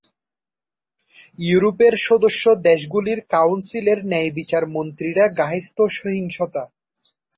ইউরোপের সদস্য দেশগুলির কাউন্সিলের ন্যায়বিচার মন্ত্রীরা গার্হস্থ্য সহিংসতা, বিশেষত অন্তরঙ্গ সঙ্গীর সহিংসতা থেকে সুরক্ষা বাড়ানোর প্রয়োজনীয়তা নিয়ে আলোচনা শুরু করেন।